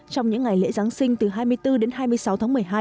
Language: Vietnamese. trong những ngày lễ giáng sinh từ hai mươi bốn đến hai mươi sáu tháng một mươi hai